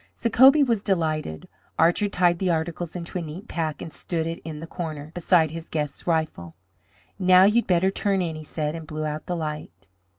Sacobie was delighted. Archer tied the articles into a neat pack and stood it in the corner, beside his guest's rifle. "Now you had better turn in," he said, and blew out the light.